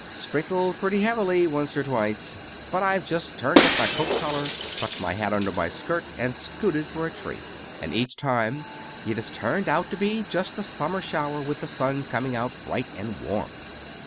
Sprinkled pretty heavily, once or twice. But I've just turned up my coat collar, tucked my hat under my skirt, and scooted for a tree. And each time it has turned out to be just a summer shower, with the sun coming out bright and warm."